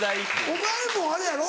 ・お前もあれやろ？